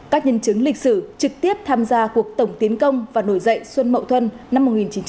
các nhân chứng lịch sử trực tiếp tham gia cuộc tổng tiến công và nổi dậy xuân mậu thân năm một nghìn chín trăm bảy mươi